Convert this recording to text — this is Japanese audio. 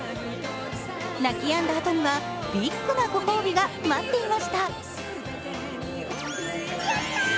泣きやんだあとには、ビッグなご褒美が待っていました。